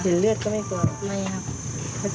เห็นเลือดก็ไม่กลัว